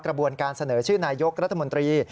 กระบวนการเสนอชื่อนายกรัฐมนตรี